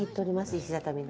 石畳の。